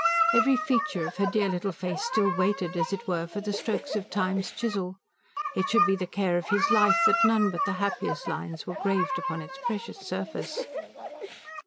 Every feature of her dear little face still waited, as it were, for the strokes of time's chisel. It should be the care of his life that none but the happiest lines were graved upon its precious surface.